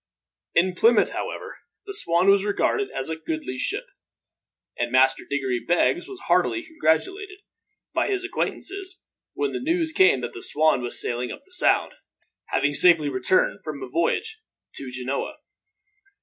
In Plymouth, however, the Swan was regarded as a goodly ship; and Master Diggory Beggs was heartily congratulated, by his acquaintances, when the news came that the Swan was sailing up the Sound, having safely returned from a voyage to Genoa.